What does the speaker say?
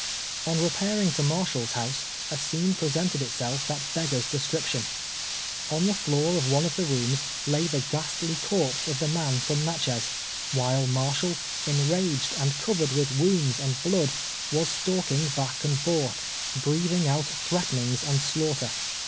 On repairing to Marshall's house, a scene presented itself that beggars description. On the floor of one of the rooms lay the ghastly corpse of the man from Natchez, while Marshall, enraged and covered with wounds and blood, was stalking back and forth, " breathing out threatenings and slaughter."